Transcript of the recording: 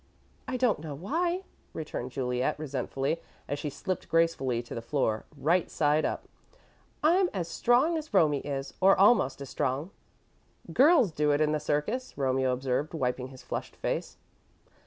"I don't know why," returned Juliet, resentfully, as she slipped gracefully to the floor, right side up. "I'm as strong as Romie is, or almost as strong." "Girls do it in the circus," Romeo observed, wiping his flushed face.